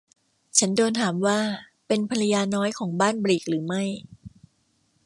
ฉันโดนถามว่าเป็นภรรยาน้อยของบ้านบลีกหรือไม่